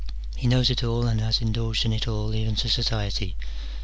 he knows it all, and has indulged in it all even to satiety.